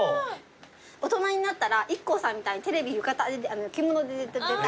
大人になったらＩＫＫＯさんみたいにテレビ着物で出たい。